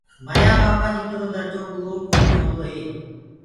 ميآ ٻآپآ جِترو درجو گُروئو ڪو بي هوندو هي،